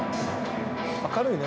明るいね。